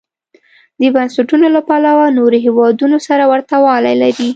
د بنسټونو له پلوه نورو هېوادونو سره ورته والی لري.